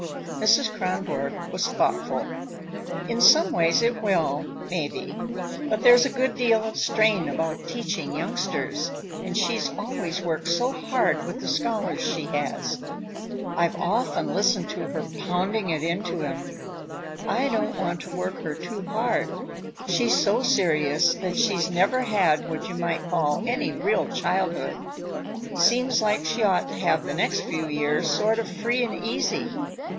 Mrs. Kronborg was thoughtful. "In some ways it will, maybe. But there's a good deal of strain about teaching youngsters, and she's always worked so hard with the scholars she has. I've often listened to her pounding it into 'em. I don't want to work her too hard. She's so serious that she's never had what you might call any real childhood. Seems like she ought to have the next few years sort of free and easy.